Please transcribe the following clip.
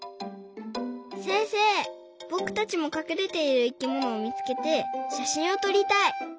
せんせいぼくたちもかくれている生きものをみつけてしゃしんをとりたい。